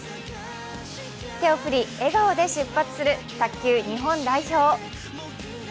手を振り、笑顔で出発する卓球日本代表。